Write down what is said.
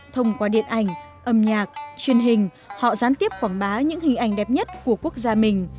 thông qua điện ảnh âm nhạc truyền hình họ gián tiếp quảng bá những hình ảnh đẹp nhất của quốc gia mình